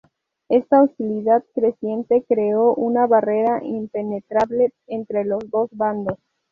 Esta hostilidad creciente creó una barrera impenetrable entre los dos bandos.